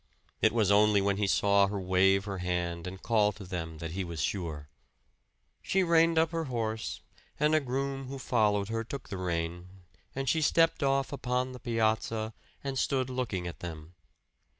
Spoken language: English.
It was only when he saw her wave her hand and call to them that he was sure. She reined up her horse, and a groom who followed her took the rein, and she stepped off upon the piazza and stood looking at them.